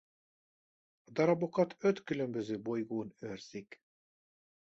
A darabokat öt különböző bolygón őrzik.